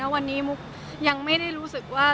วันนี้มุกยังไม่ได้รู้สึกว่า